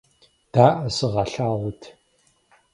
Даӏэ, сыгъэлъагъут!